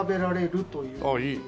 ああいい。